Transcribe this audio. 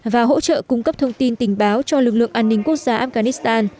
và hỗ trợ cung cấp thông tin tình báo cho lực lượng an ninh quốc gia afghanistan